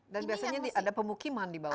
dan biasanya ada pemukiman di bawah